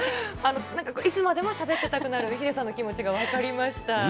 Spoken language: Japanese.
いつまでもしゃべってたくなる、ヒデさんの気持ちが分かりました。